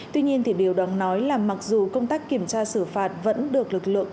tuy nhiên điều đáng nói là mặc dù công tác kiểm tra xử phạt vẫn được lực lượng